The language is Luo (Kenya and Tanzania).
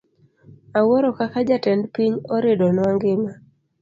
Awuoro kaka jatend piny oridonwa ngima.